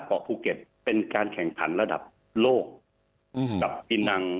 เกาะบุเก็ตเป็นการแข่งผลันละดับโรคอืมกับปินัง